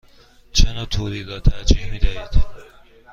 چه نوع توری را ترجیح می دهید؟